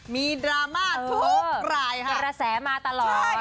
ดราม่าทุกรายค่ะระแสมาตลอด